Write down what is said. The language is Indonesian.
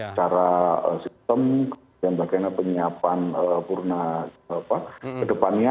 secara sistem dan bagaimana penyiapan purna ke depannya